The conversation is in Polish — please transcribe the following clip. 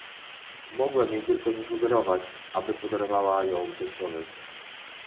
Mogłem jej tylko zasugerować, aby podarowała ją teściowej